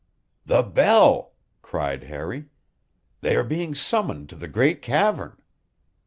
"The bell!" cried Harry. "They are being summoned to the great cavern!"